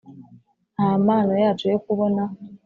nta mpano yacu yo kubona